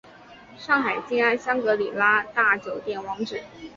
上海静安香格里拉大酒店网址